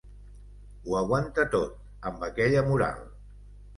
Ho aguanta tot, amb aquella moral.